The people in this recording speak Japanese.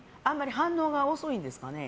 反応が遅いんですかね。